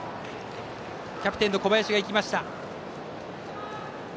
キャプテンの小林が行きました。